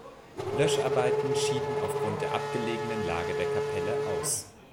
Löscharbeiten schieden aufgrund der abgelegenen Lage der Kapelle aus.